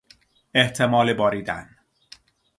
احتمال باریدن